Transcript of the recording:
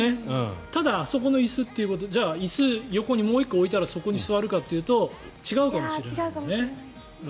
ただ、あそこの椅子椅子を横にもう１個置いたらそこに座るかというと違うかもしれないね。